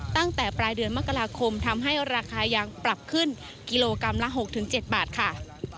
ตั้งแต่ปลายเดือนมกราคมทำให้ราคายางปรับขึ้นกิโลกรัมละ๖๗บาทค่ะ